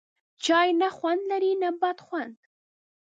چای، نه خوند لري نه بد خوند